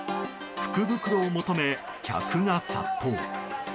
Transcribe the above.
福袋を求め、客が殺到。